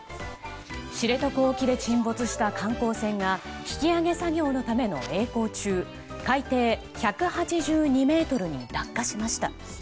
知床沖で沈没した観光船が引き揚げ作業のためのえい航中海底１８２ｍに落下しました。